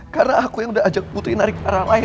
karena aku yang udah ajak putri narik orang lain